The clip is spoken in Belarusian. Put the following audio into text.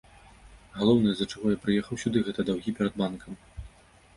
Галоўнае, з-за чаго я прыехаў сюды, гэта даўгі перад банкам.